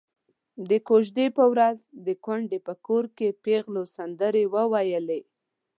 د کوژدې په ورځ د کونډې په کور کې پېغلو سندرې وويلې.